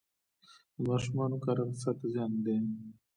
د ماشومانو کار اقتصاد ته زیان دی؟